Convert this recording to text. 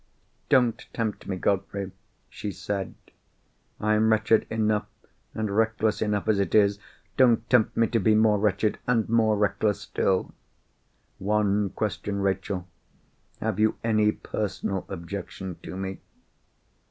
"Don't tempt me, Godfrey," she said; "I am wretched enough and reckless enough as it is. Don't tempt me to be more wretched and more wreckless still!" "One question, Rachel. Have you any personal objection to me?"